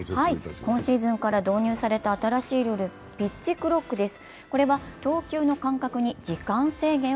今シーズンから導入された新しいルール、ピッチクロックです